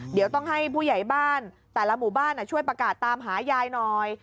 เดี๋ยวต้องให้ผู้ใหญ่บ้านแต่ละหมู่บ้านช่วยประกาศตามหายายหน่อย